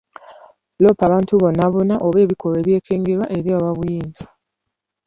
Loopa abantu bonna bonna oba ebikolwa ebyekengerwa eri aboobuyinza.